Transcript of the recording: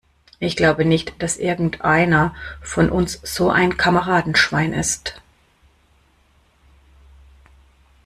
Ich glaube nicht, dass irgendeiner von uns so ein Kameradenschwein ist.